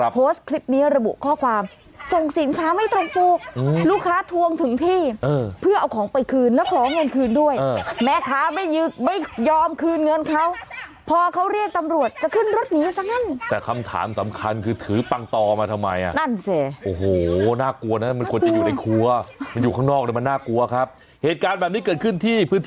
แปดเข็มโอ้โหนี่ตรงหน้าผากเลยนี่